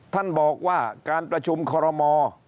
ท่านบอกว่าการประชุมคอรมอ